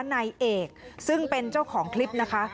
นายเอกซึ่งเป็นเจ้าของคลิปนะคะ